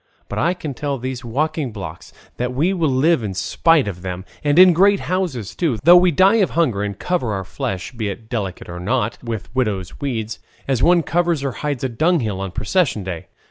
But I can tell these walking blocks that we will live in spite of them, and in great houses too, though we die of hunger and cover our flesh, be it delicate or not, with widow's weeds, as one covers or hides a dunghill on a procession day.